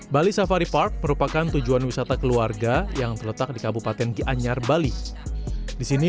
bali safari park merupakan tujuan wisata keluarga yang terletak di kabupaten gianyar bali disini